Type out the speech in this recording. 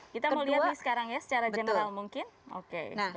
kita mau lihat nih sekarang ya secara general mungkin